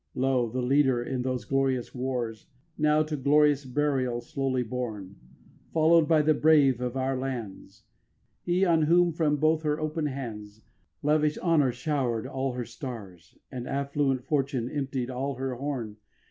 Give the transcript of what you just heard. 8. Lo, the leader in these glorious wars Now to glorious burial slowly borne, Followed by the brave of other lands, He, on whom from both her open hands Lavish Honour showered all her stars, And affluent Fortune emptied all her horn.